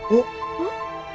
うん？